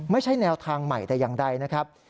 ไม่ใช่แนวทางใหม่แต่อย่างใดนะครับ